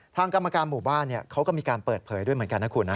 กรรมการหมู่บ้านเขาก็มีการเปิดเผยด้วยเหมือนกันนะคุณนะ